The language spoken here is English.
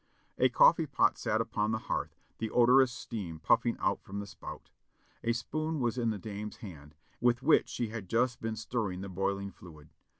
A cof¥ee pot sat upon the hearth, the odorous steam puffing from the spout ; a spoon was in the dame's hand, with which she had just been stirring the boiling fluid.